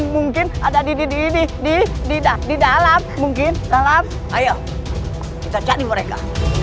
mungkin ada di dididik di tidak di dalam mungkin salam ayo kita cari mereka